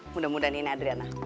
mudah mudahan ini adriana